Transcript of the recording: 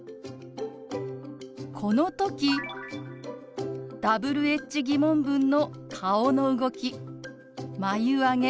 この時Ｗｈ−疑問文の顔の動き眉あげ